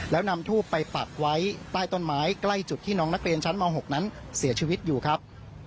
แล้วนำทูบไปปักไว้ใต้ต้นไม้ใกล้จุดที่น้องนักเรียนชั้นม๖นั้นเสียชีวิตอยู่ครับ